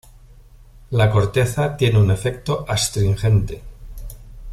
La corteza tiene un efecto astringente.